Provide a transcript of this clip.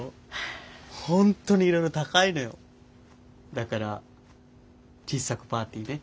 だから小さくパーティーね。